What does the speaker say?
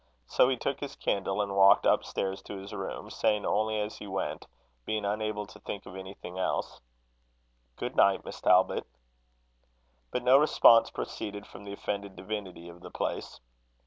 So he took his candle and walked up stairs to his room, saying only as he went being unable to think of anything else: "Good night, Miss Talbot." But no response proceeded from the offended divinity of the place.